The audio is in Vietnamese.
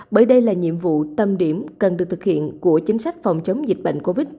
bởi đây là nhiệm vụ tâm điểm cần được thực hiện của chính sách phòng chống dịch bệnh covid một mươi chín